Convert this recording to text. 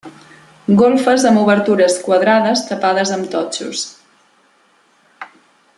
Golfes amb obertures quadrades tapades amb totxos.